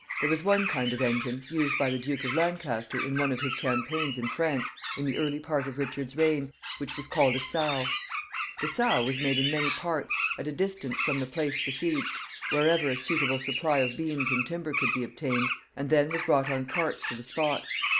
There was one kind of engine, used by the Duke of Lancaster in one of his campaigns in France in the early part of Richard's reign, which was called a sow. The sow was made in many parts, at a distance from the place besieged, wherever a suitable supply of beams and timber could be obtained, and then was brought on carts to the spot.